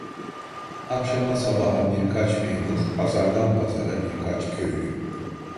Akşama sabaha birkaç memur, pazardan pazara birkaç köylü…